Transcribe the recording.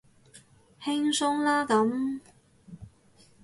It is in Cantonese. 輕鬆啦咁